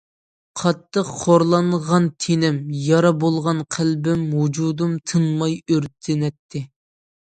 قاتتىق خورلانغان تېنىم، يارا بولغان قەلبىم... ۋۇجۇدۇم تىنماي ئۆرتىنەتتى.